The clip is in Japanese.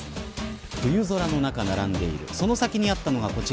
冬空の中並んでいるその先にあったのがこちら。